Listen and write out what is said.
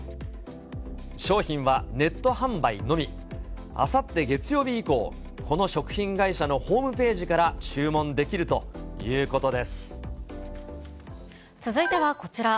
商品はネット販売のみ。あさって月曜日以降、この食品会社のホームページから注文できる続いてはこちら。